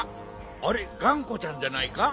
あれがんこちゃんじゃないか？